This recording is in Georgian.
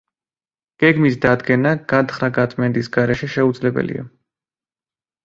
გეგმის დადგენა გათხრა-გაწმენდის გარეშე შეუძლებელია.